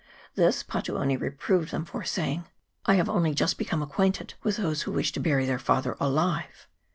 This Patuone reproved them for, saying 'I have only just become acquainted with those who wish to bury their father alive